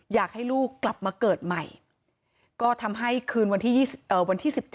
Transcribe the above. อยากให้ลูกกลับมาเกิดใหม่ก็ทำให้คืนวันที่๑๗